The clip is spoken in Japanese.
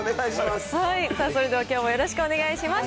さあ、それではきょうもよろしくお願いします。